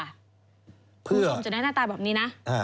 คุณผู้ชมจะได้หน้าตาแบบนี้นะ